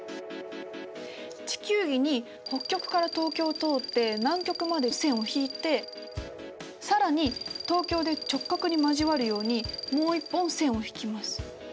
地球儀に北極から東京を通って南極まで線を引いて更に東京で直角に交わるようにもう一本線を引きます。